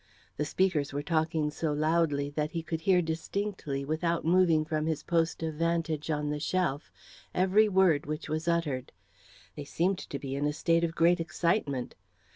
The speakers were talking so loudly that he could hear distinctly, without moving from his post of vantage on the shelf, every word which was uttered. They seemed to be in a state of great excitement.